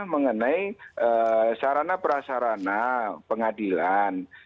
mengenai sarana prasarana pengadilan